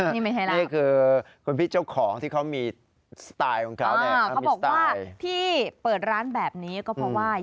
นี่ไม่ใช่ลาบนะครับนี่คือ